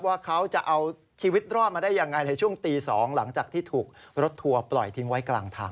ว่าเขาจะเอาชีวิตรอดมาได้ยังไงในช่วงตี๒หลังจากที่ถูกรถทัวร์ปล่อยทิ้งไว้กลางทาง